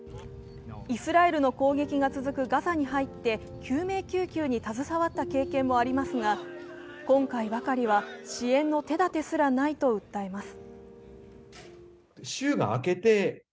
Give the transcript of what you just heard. イスラエルの攻撃が続くガザに入って救命救急に携わった経験もありますが今回ばかりは支援の手だてすらないと訴えます。